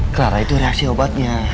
clara itu reaksi obatnya